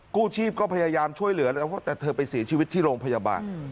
กู้ชีพก็พยายามช่วยเหลือแล้วแต่เธอไปเสียชีวิตที่โรงพยาบาล